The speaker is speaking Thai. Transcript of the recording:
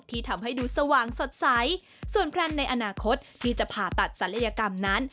ทำให้ดูสว่างสดใสส่วนแพลนในอนาคตที่จะผ่าตัดศัลยกรรมนั้น